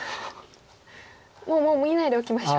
もうもう見ないでおきましょう。